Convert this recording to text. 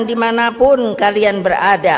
dimanapun kalian berada